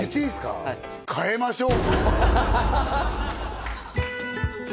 かえましょう！